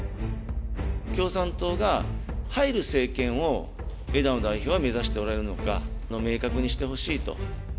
共産党が入る政権を枝野代表は目指しておられるのか、明確にしてほしいと。